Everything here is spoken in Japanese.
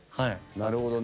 なるほどね。